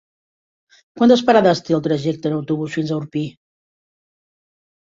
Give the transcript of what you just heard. Quantes parades té el trajecte en autobús fins a Orpí?